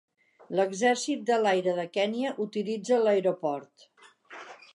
L'exèrcit de l'aire de Kènia utilitza l'aeroport.